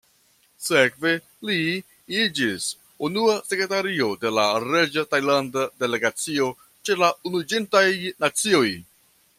Sekve li iĝis unua sekretario de la reĝa tajlanda delegacio ĉe la Unuiĝintaj Nacioj.